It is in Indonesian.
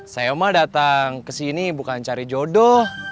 saya mah dateng kesini bukan cari jodoh